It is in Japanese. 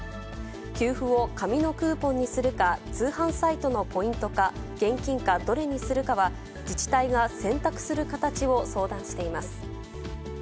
給付を紙のクーポンにするか、通販サイトのポイントか、現金かどれにするかは自治体が選択する形を相談しています。